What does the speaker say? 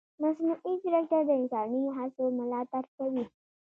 مصنوعي ځیرکتیا د انساني هڅو ملاتړ کوي.